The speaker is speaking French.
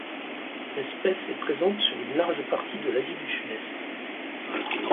L'espèce est présente sur une large partie de l'Asie du Sud-Est.